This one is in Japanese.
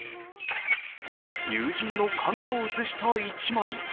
友人の影を写した一枚。